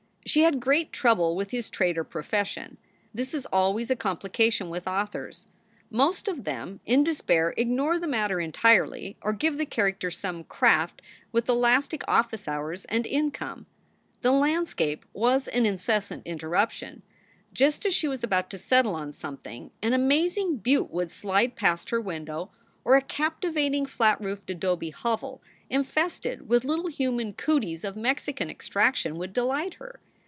She had great trouble with his trade or profession. This is always a complication with authors. Most of them in 73 SOULS FOR SALE despair ignore the matter entirely or give the character some craft vvith elastic office hours and income. The landscape was an incessant interruption. Just as she was about to settle on something an amazing butte would slide past her window, or a captivating flat roofed adobe hovel infested with little human cooties of Mexican extrac tion would delight her.